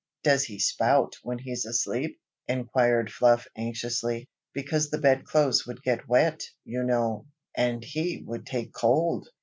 "Does he spout when he's asleep?" inquired Fluff anxiously. "Because the bedclothes would get wet, you know, and he would take cold!"